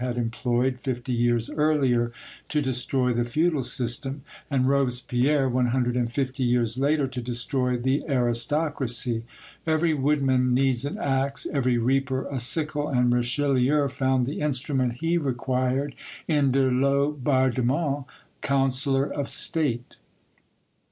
had employed fifty years earlier to destroy the feudal system, and Robespierre one hundred and fifty years later to destroy the aristocracy. Every woodman needs an axe, every reaper a sickle, and Richelieu found the instrument he required in de Laubardemont, Councillor of State.